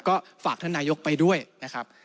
ก็ฝากท่านนายกไปด้วยนะครับ